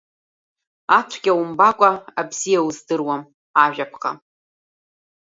Ацәгьа умбакәа абзиа уздыруам ажәаԥҟа…